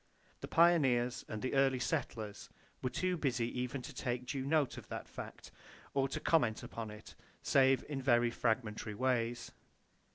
The pioneers and the early settlers were too busy even to take due note of that fact, or to comment upon it, save in very fragmentary ways.